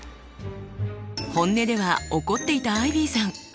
本音では怒っていたアイビーさん。